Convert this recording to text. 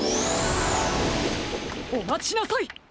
おまちなさい！